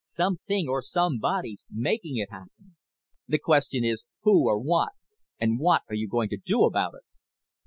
Something or somebody's making it happen. The question is who or what, and what are you going to do about it?"